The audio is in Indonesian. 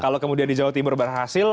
kalau kemudian di jawa timur berhasil